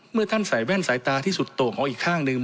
เมื่อท่านใส่แว่นสายตาที่สุดโต่งของอีกข้างหนึ่ง